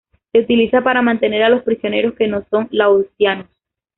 Se utiliza para mantener a los prisioneros que no son laosianos.